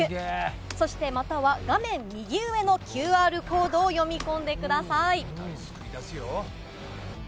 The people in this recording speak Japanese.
そしてまたは、画面右上のＱＲコードを読み込んでください。